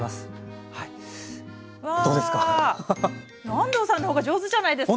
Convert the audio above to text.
安藤さんのほうが上手じゃないですか。